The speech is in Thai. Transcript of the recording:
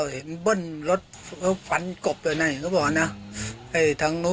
เห็นบิ้ลรถฝันกบเลยนะเห็นก็บอกนะ